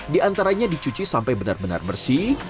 di antaranya dicuci sampai benar benar bersih